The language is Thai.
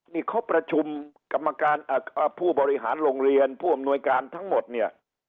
นี่เขาประชุมกรรมการผู้บริหารโรงเรียนผู้อำนวยการทั้งหมดเนี่ย